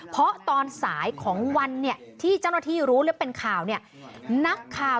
เพราะตอนสายของวันที่เจ้าหน้าที่รู้และเป็นข่าว